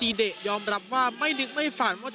ีสวัสดีครับ